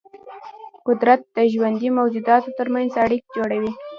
قدرت د ژوندي موجوداتو ترمنځ اړیکې جوړوي.